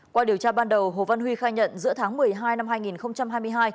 qua điều tra ban đầu hồ văn huy khai nhận giữa tháng một mươi hai năm hai nghìn hai mươi hai